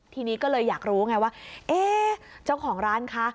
ทีนี้ก็เลยอยากรู้ไงว่าเอ๊ะเจ้าของร้านคะ